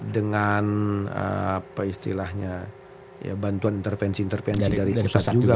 dengan apa istilahnya bantuan intervensi intervensi dari pusat juga